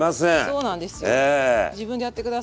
そうなんですよね。